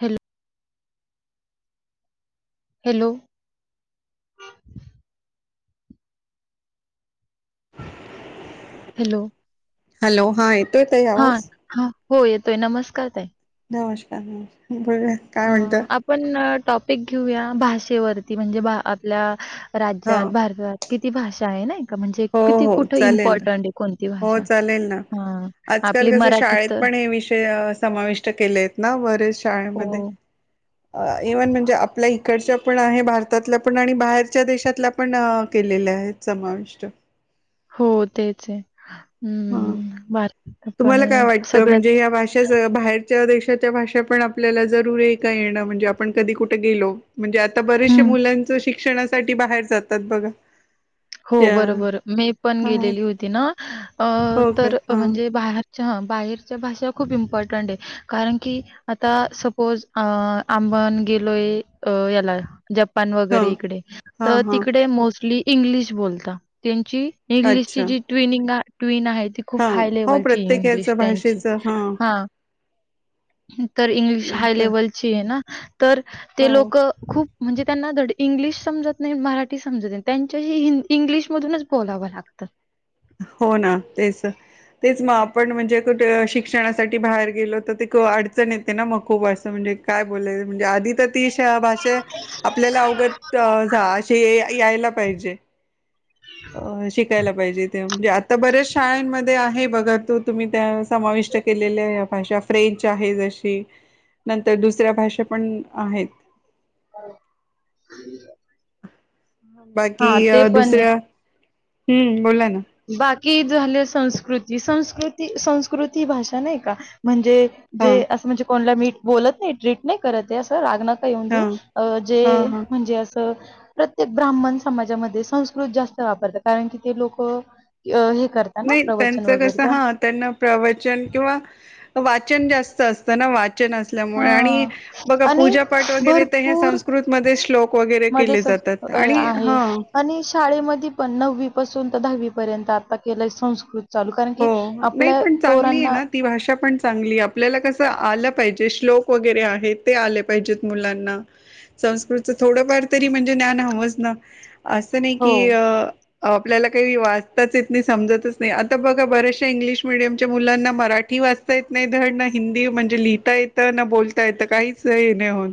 Hello. Hello. Hello. Hello hi. हा हा हो येतोय. नमस्कार ताई. नमस्कार नमस्कार. बोलूया काय म्हणता? हां, आपण अ, टॉपिक घेऊया भाषेवरती म्हणजे आपल्या हा राज्यात, भारतात किती भाषा आहे नाही का? म्हणजे हो किती हो कुठे चालेल ना, इम्पॉर्टंट आहे कोण. हो चालेल ना. आजकाल आपली कस मराठी शाळेत तर पण हे विषय समाविष्ट केले आहेत ना बरेच शाळेमध्ये हो, इव्हन म्हणजे आपल्या इकडच्या पण आहे. भारतातल्या पण आणि बाहेरच्या देशातल्या पण केलेल्या आहेत समाविष्ट. हो तेच आहे. हा. हं, भारतात पण तुम्हाला काय आहे वाटतं सगळ्यात म्हणजे या भाषाच बाहे देशाच्या भाषा पण आपल्याला जरूरी आहे का येणं म्हणजे आपण कधी कुठे गेलो. म्हणजे आता बरेचशे हं. मुलांच शिक्षणासाठी बाहेर जातात बघा. हो त्या बरोबर मे पण हा गेलेली होती ना हो काय तर हा म्हणजे बाहेर. हा बाहेरच्या भाषा खूप इम्पॉर्टंट आहे कारण की आता सपोज अ अ. मण गेलोय याला ज हा वरे इकडे हा तर हा तिकडे मोस्टल्यी इंग्लिश बोलता. इंग्लिश ची अच्छा जी ट्युनिंग आहे ट्यून आहे. खूप हा हाय हो लेवलची प्रत्येकाच इंग्लिश त्यांची भाषेच हा. तर इंग्लिश हाय आता लेवलची आहे ना तर हो ते लोक खूप. म्हणजे त्यांना धड इंग्लिश समजत नाही मराठी समजत नाही त्यांच्याशी हि. इंग्लिशमधूनच बोलावं लागतं. हो ना तेच तेच मग आपण म्हणजे कुठे शिक्षणासाठी बाहेर गेलो तर अडचण ये ना मग खूप असं म्हणजे काय बोयं म्हणजे आधी तर ती शा भाशे आपल्याला अवगत जा, अशी यायला पाहिजे. अ शिकायला पाहिजेत. म्हणजे आता बऱ्याच शाळांमध्ये आहे बघा तू तुम्ही त्या समाविष्ट केलेल्या भाषा फ्रेंच. आमची आहे जशी नंतर दुसऱ्या भाषा पण आहेत. हो. कुठ गेल्या? बाकी अ. दुसऱ्या.. हम्म बोला ना. बाकी झाल्या संस्कृती, संस्कृती, संस्कृती भाषा नाही का म्हणजे. हा जे अस म्हणजे कोनला मी बोलत नाही ट्रीट नाही करत अस राग नका. नका येऊन हा देऊ जे हा हा म्हणजे असं. प्रत्येक ब्राह्मण समाजामध्ये संस्कृत जास्त वापरतात कारण की ते लोक हे. करता ना नाही प्रवचन त्यांच वगैरे कस त्या हा त्यांना प्रवचन किंवा वाच. वाचन जास्त असत वा. वाचन असल्यामुळे हा आणि बघा आणि पूजा पाठ वगैरे ते हे भरपूर संस्कृत मध्ये श्लोक वगैरे केले जात. अ आहे आणि शाळेमध्ये पण नववी पासून दहावीपर्यंत आता केलंय संस्कृत चालू कारण हो की नाही आपल्या पण चांगली आहे पोरांना ना. ती भाषा पण चांगली आपल्याला कस आलं पाहिजे श्लोक वैगरे आहे ते आले, पाहिजेत मुलांना संस्कृत च थोडफार तरी म्हणजे. ज्ञान हवच ना. असं नाही की हो अ आपल्याला काही वाचताच येत नाही, समजतच नाही अत आता बघा बर्याचशा इंग्लिश मिीडियमच्या मुलांना मराठी वाचता येत नाही. धड ना हिंदी म्हणजे लिहिता येतं. न बोलता येत. काहीच हे नाही होत.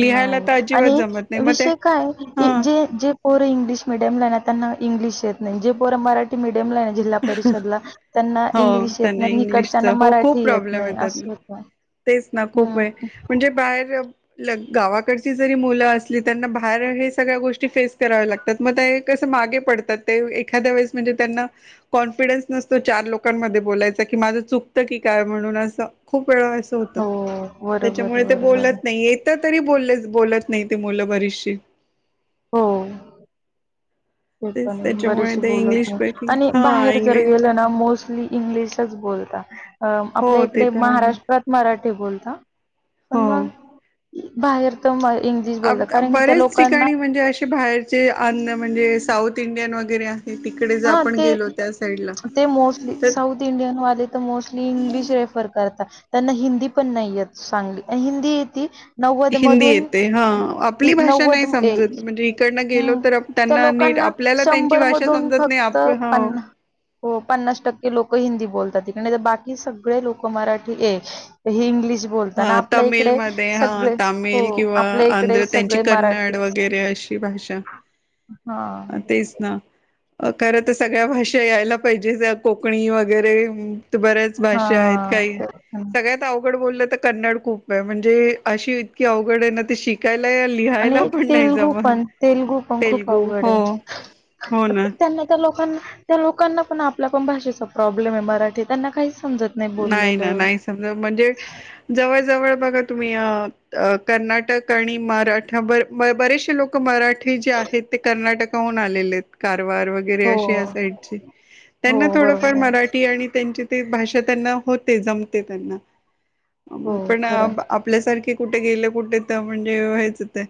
लिहायला नाही. तर अजिबात आणि जमत नाही मग ते विषय काय हा जे जे पोर इंग्लिश मिीडियमला आहे. ना त्यांना इंग्लिश येत नाही. जे पोर मराठी मीडिय जे मुलं जिल्हा परिषदला त्यांना हो इंग्लिश येत त्यांना नाही. इंग्लिशच ईकडच्याना हो मराठी येत नाही असत. ह [inaudible] हे च ना खूप आहे. म्हणजे बाहेर [unintelligible] गावाकड जरी मुलं असली, त्यांना बाहेर हे सगळ्या गोष्टी फेस कराव्या लागतात. म त्या ते मागे पडतात. ते एखाद्या वेळेस म्हणजे त्यांना कॉन्फिडन्स नसतो. चार लोकांमध्ये बोलत माझ चुकतं की काय म्हणून असं खूप वेळा होत हो. बरोबर त्याच्यामुळे आहे, ते बरोबर आहे. बोलत नाही येत तरी बोले बोलत नाहीत ते मुलं बरीशी हो. ते तेच पण त्याच्यामुळे बरेच ते इंग्लिश बोलत स्पीकिंग आणि हा बाहेर जर इंग्लिश गेल ना मोस्ट आप इंग्लिशच बोलता आपल्या हो ते इकडे तर आहे महाराष्ट्रात मराठी बोलता पण हो मग बाहेर तर म इंग्लिश बोलता कारण की त्या बरेच लोकांना ठिकाणी म्हणजे असे बाहेरचे अन्न म्हणजे साऊथ इंडियन वगैरे. तडे हां आपण ते गेलो त्या साईड ते मोस्टली साऊथ इंडियनवाले तर मोस्टली इंग्लिश रेफर करतात त्यांना हिंदी पण नाहीयेत चांगली आणि हिंदी य ती हिंदी येते हा आपली भाषा नव्वद नाही म- ए समजत म्हणजे इकडनं गेलो हम्म तर त्या त्यांना नीट लोकांना आपल्याला त्यांची शंभर भाषा मधून समजत नाही फक्त आपण ह पन्ना हो पन्नास टक्के लोक हिंदी बोलतात नही बाकी सगळे लोक मराठी आहे हे इंग्लिश बोलतात आणि हा आपल्या तमिळ इकडे मध्ये हा सगळे तामिळ हो मध्ये किंवा आपल्या इकडे आंध्र त्यांची सगळे कन्नड व गैरे अ ही भाषा ह हा तेच ना खरं तर सगळ्या भाषा यायला पाहिजे कोकणी वगैरे.. बऱ्याच हा भाषा आहेत काही ते पण. सगळ्यात अवघड बोललं. कन्नड खूप आहे म्हणजे अशी इतकी अवघड आहे ना ते शिकाय.. आणि तेलगू पण तेलगू पण खूप तेलगू अवघड.. हो हो ना त्यां त्या लोकां त्या लोकांना. पण आपल्या कोण भाषेचा प्रॉब्लेम आहे मराठी त्यांना काहीच.. समजत नाही ना बोललेलं. नाही समजा म्हणजे जवळ जवळ... बघा तुम्ही कर्नाटक आणि मराठा बरेचसे लोक मराठी जे.. आहेत ते कर्नाटकाहून आलेले काल.. हो वरे सा हो त्यांना बरोबर थोडफार मराठी त्यां भाषा.. त्यांना होते जमते त्यांना हो पण खरं आपल्यासारखे. कुठे गेलं कुठे म्हणजे व्हायचं ते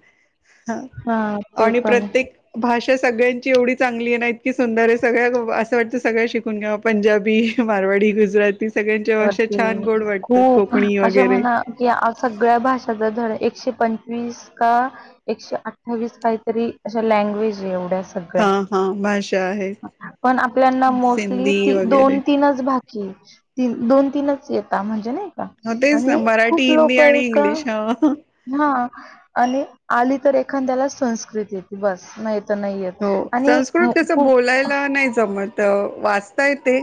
हा ते आणि पण आहे. प्रत्येक भाष अश सगळ्यांची एवढी चांगली ना इतकी सुंदर आहे सगळ्या असं वाटतं सगळ्या शिकून घे पंजाबी मार... वडी गुजराती. सगळ्यांच्या भाषा छान गोड वाटतात खूप कोकणी असं वगैरे म्हणा की सगळ्या भाषाच झाड एकशे.. पंचवीस का एकशे अठ्ठावीस काहीतरी अशा लँग्वेज आहे एवढ्या.. सळ हा हा भाषा आहेत पण आपल्याना सिंधी मोस्टली वगैरे दोन तीनच भाकी. दोन तीनच य म्हणजे नाही. हो तेच ना आणि मराठी खूप हिंदी लोक आहे आणि का इंग्लिश हा हा.. आणि आली तर एखाद्याला संस्कृती येत बस नाही. तर नाही येत हो आणि मु- संस्कृत कसं खूप बोलायला नाही जमत. वाचता येते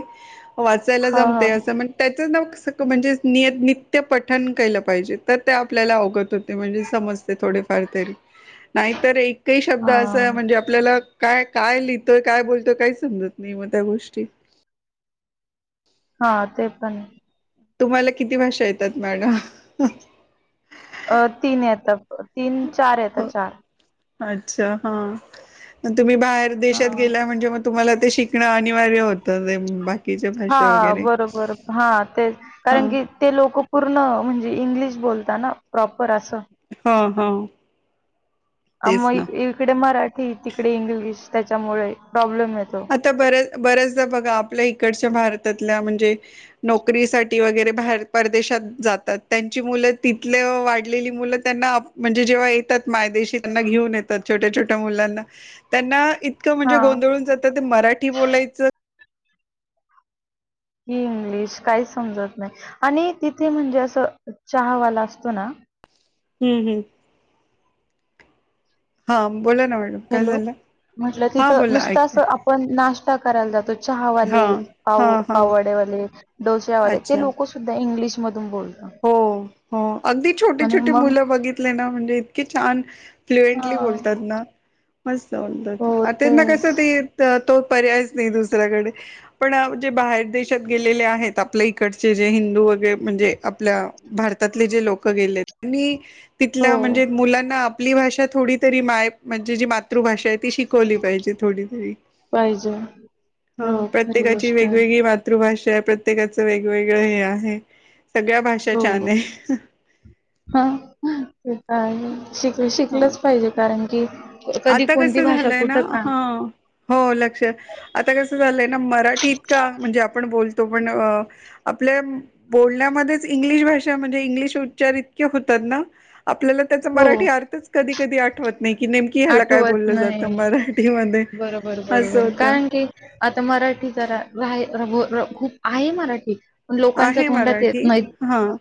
वाचायला ह जमते ह असंण त्या. म्हणजे नित्य पठण केलं पाहिजे तर ते आपल्याला अवगत होते म्हणजे समज. ते थोडेफार तरी नाही एक ही शब्द हा म्हणे काय काय लिहितोय काय बोलतोय काही समजत नाही मग त्या गोष्टी.. हा ते पण.. तुम्हाला किती भाषा येतात मॅडम.. अ तीन येत तीन चार येत चार.. अच्छा हा तुम्ही बाहेर हा देशात गेला म्हणजे मग तुम्हाला.. ते शिकणं अनिवार्य होतं ते. बाकीच्या हा भाषा वगैरे बरोबर हा तेच हा कारण की ते लोक पूर्ण म्हणजे. इंग्लिश बोलताना प्रॉपर अस. ह ह मग इकडे मराठी तिकडे इंग्लिश त्याच्यामुळे प्रॉब्लेम.. येतो आता बर्याच बर्याचदा बघा आपल्या इकडच्या भारत भारतातल्या नोकरीसाठी वगैरे बाहेर प्रदेशात जातात त्यांची मुलं तिथल्या. वाढलेली मुलं त्यांना म्हणजे जेव्हा येतात मायदेशी त्यांना घेऊन येतात छोट्या छोट्या मुलांना... त्यांना इतकं हा म्हणजे गोंधळून जातं ते मराठी बोलायचं. हम्म [unintelligible] काही समजत नाही तिथे म्हणजे चहावा असतो ना. हम्म हम्म हा बोला ना मॅडम काय हॅलो झालं म्हटलं हा तिथं बोला नुसतच ऐकते आपण नाश्ता करायला जातो. हा चहावाले पाव हा हा पावड्यावाले डोस्यावाले ते अच्छा लोक सुद्धा इंग्लिश मधून बोलत. हो हो अगदी छोटी छोटी मग मुलं बघितले ना म्हणजे इतकी छान. हा फ्लुएंटली बोलतात ना मस्त हो बोलतात त्यांना तेच कसं ते... तो पर्यायच नाही दुसऱ्याकडे पण जे बाहेर देशात गेलेले आहेत आपल्या इकडचे जे... हिंदू वगैरे म्हणजे... आप भारतातले जे लोक गेले त्यांनी हो तिथल्या म्हणजे मुलांना... आपली भाषा थोडी तरी माय म्हणजे जी मातृभाषा आहे.. ती शिकवली पाहिजे थोडी तरी.. पाहिजे हा हो खरी प्रत्येकाची गोष्ट आहे वेगवेगळी मातृभाषा.. प्रत्येकाचं वेगवेगळ हे आहे सगळ्या भाषा हो छान आहे.. हा ते का आहे शिक हा शिकलच पाहिजे कारण की.. कधी आता कोणती कसं भाषा झालंय ना कुठं का ह हो लक्ष आता कसं झालंय ना मराठीत.. म्हणजे आपण बोल.. पण आपल्या बोलण्यामध्येच इंग्लिश भाषा म्हणजे इंग्लिश उच्चार इतके होतात.. आपल्याला त्या हो मराठी अर्थच कधी कधी आठवत नाही की नेम.. आठवत नाही. बरोबर असं बरोबर होतं कारण की आता मराठी जरा राहायल.. खूप आहे मराठी पण लोकांच्या आहे तोंडात येत मराठी नाहीत. हां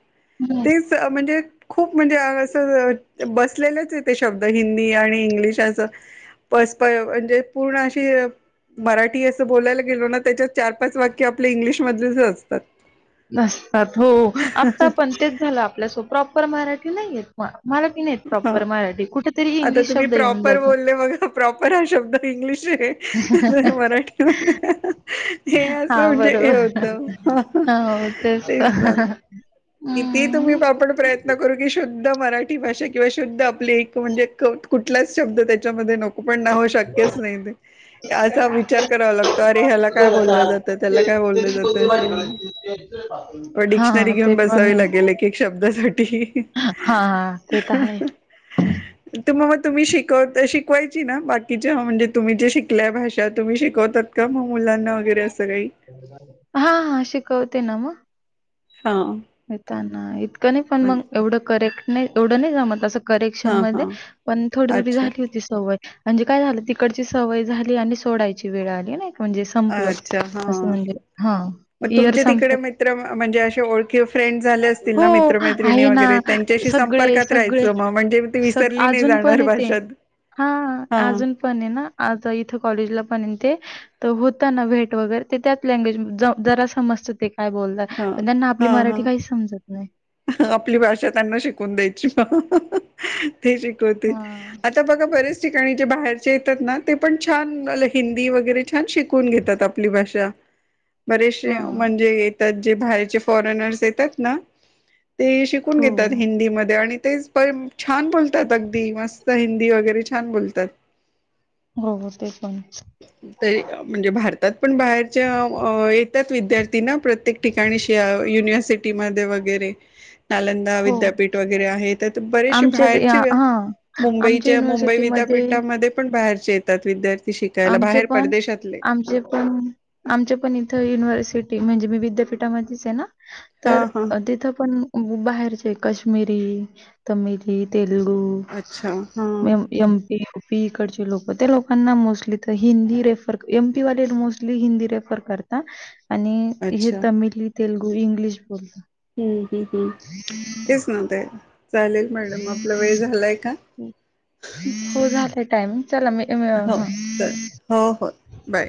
हं. तेच म्हणजे खूप म्हणजे असं. बसलेलेच आहे तेे शब्द हिंदी आणि इंग्लिश असं पप म्हणजे पूर्ण अशी... मराठी असं बोलायला गेलो ना त्याच्यात चार पाच वाक्य आपले इंग्लिश मधलेच असतात. नसतात हो आत्ता पण तेच झालं आपल्यासो प्रॉपर मराठी नाहीयेत... ह आता इंग्लिश तुम्ही शब्द येऊन प्रॉपर जातो. बोलले बघ प्रॉपर हा शब्द इंग्लिश आहे. त मराठीमध्ये हे असं हा म्हणजे हे बरोबर होतं.. हो तेच प... किती तुम्ही आपण प्रयत्न करू की शुद्ध.. मराठी भाषा किंवा शुद्ध आपली म्हणजे कुठलाच शब्द त्याच्यामध्ये नको.. पण शक्यच नाही असा विचार करावा लागतो अरे ह्याला काय बोललं जातं त्याला काय... ज डिक्शनरी हा ते घेऊन बसले. पण लागेल की शब्दासाठी.. हा ते तर आहे. तुम्हा म.. तुम्ही शिकवत शिकवायची ना बाकीच्या म्हणजे तुम्ही जे शिकल्याय भाषा तुम्ही शिकवत.. का म मुलांना वगैरे असं काही.. हा हा शिकवते ना मग हा येताना इतकं नाही पण मग एवढं करेक्ट नाही एवढं नाही ज मत असं.. करेक्शन हा मध्ये हा पण थोडी थोडी अच्छा झाली होती सवय... म्हणजे काय झालं तिकडची सवय झाली आणि सोडायची वेळ आली नाही. म्हणजे संपलं. अच्छा हा असं म्हणजे हां. मग इयर तुमचे संपत तिकडे मित्र म्हणजे असे ओळखी... फ्रेंड झाले असतील हो, ना मित्रमैत्रिणी आहे ना. वगैरे त्यांच्याशी सगळे, संपर्कात सगळे राहायचं मग म्हणजे ती विसरली नाही... जाणार भाषात... हा हा अजून पण आहे ना आज इथं कॉलेजला पण ये ते... तर होता ना भेट वगैरे ते त्याच लँग्वेज जरा समजत ते.. काय बोलतात हा पण त्यांना आपली हा मराठी हा काही समजत नाही आपली भाषा त्यांना शिकून द्यायची. ते शिकवतील हां, आता बघा बरेच.. ठिकाणी जे बाहेरचे येतात ना ते पण छान हिंदी वगैरे छान शिकून घेतात आपली भाषा... बरेचसे हां. म्हणजे येतात जे बाहेरचे फॉरेनर्स येतात ना.. ते शिकून घेतात हो. हिंदीमध्ये आणि... तेच पण छान बोलतात अगदी मस्त हिंदी वगैरे छान बोलतात. हो हो. ते पण. ते म्हणजे भारती.. पण बाहेरच्या येतात विद्यार्थी ना. प्रत्येक ठिकाणी युनिव्हर्सिटी. सिटी मध्ये वगैरे. नालंदा हो. विद्यापीठ वगैरे आहे. त्या बरेचसे आमच्या ते या बाहेरचे. हां. आमच्या मुंबईच्या मुंबई युनिव्हर्सिटीमध्ये विद्यापीठामध्ये पण बाहेरचे येतात. विद्यार्थी. शिकायला आमचे बाहेर पण. परदेशातले आमचे पण. आमच्या पण इथ युनिव्हर्सिटी. म्हणजे मी विद्यापीठा मध्येच हाय ना. हा तर हा तिथ पण बाहेरचे क काश्मीरी. तमिली, तेलगू, अच्छा हा एम. पी. पीकडचे लोक. ते लोकांना mostly. Hindi refer M. P. वाले मोस्टली हिंदी रेफर करतात. आणि हे अच्छा तमिल तेलुगू इंग्लिश बोलतात. हम्म हम्म. हम्म तेच म्हणते. चालेल मॅडम आपला वेळ झालाय का? हो झालाय टायमिंग. चला. म हो हा. चालेल हो हो बाय